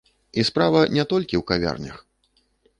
І справа не толькі ў кавярнях.